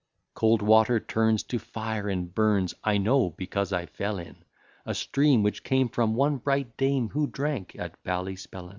Cold water turns to fire, and burns I know, because I fell in A stream, which came from one bright dame Who drank at Ballyspellin.